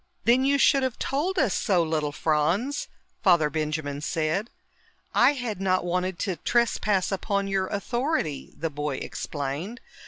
"Then you should have told us so, little Franz," Father Benjamin said. "I had not wanted to trespass upon your authority," the boy explained.